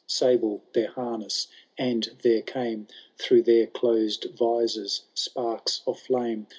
Sable their harness, and there came Through their closed visors sparks of fiame.